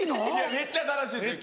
めっちゃ楽しいです。